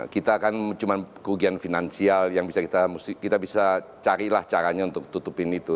kita kan cuma kerugian finansial yang bisa kita bisa carilah caranya untuk tutupin itu